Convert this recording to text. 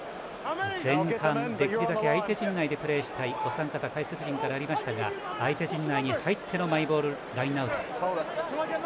前半できるだけ相手陣内でプレーしたいとお三方、解説陣からありましたが相手陣内に入ってのマイボールラインアウト。